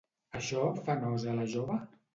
Això fa nosa a la jove?